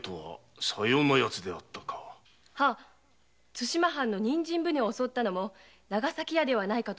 対馬藩の人参船を襲ったのも長崎屋ではないかと。